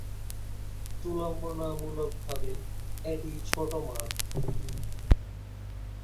তুলনামূলকভাবে এটি ছোট মাঠ।